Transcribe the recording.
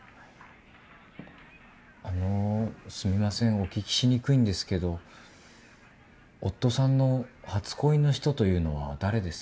お聞きしにくいんですけど夫さんの初恋の人というのは誰ですか？